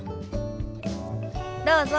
どうぞ。